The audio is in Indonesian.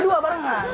harus berdua barengan